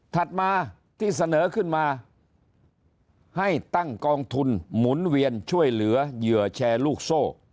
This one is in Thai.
ถัดมาที่เสนอขึ้นมาให้ตั้งกองทุนหมุนเวียนช่วยเหลือเหยื่อแชร์ลูกโซ่